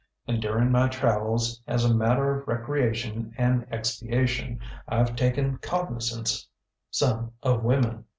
And during my travels, as a matter of recreation and expiation, IŌĆÖve taken cognisance some of women.